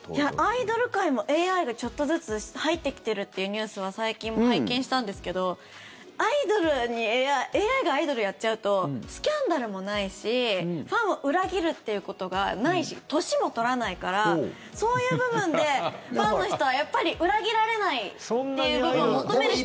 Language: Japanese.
アイドル界もＡＩがちょっとずつ入ってきてるっていうニュースは最近拝見したんですけどアイドルにＡＩがアイドルやっちゃうとスキャンダルもないしファンを裏切るってことがないし年も取らないからそういう部分でファンの人は、やっぱり裏切られないっていう部分を求める人にとっては。